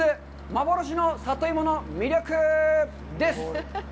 幻の里芋の魅力」です。